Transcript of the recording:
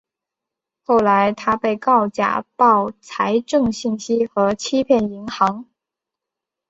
后来他被告假报财政信息和欺骗银行。